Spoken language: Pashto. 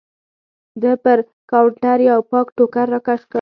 ده پر کاونټر یو پاک ټوکر راکش کړ.